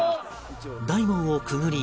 大門をくぐり